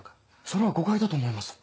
それは誤解だと思います。